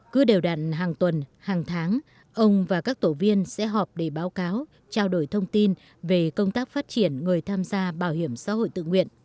cứ đều đạn hàng tuần hàng tháng ông và các tổ viên sẽ họp để báo cáo trao đổi thông tin về công tác phát triển người tham gia bảo hiểm xã hội tự nguyện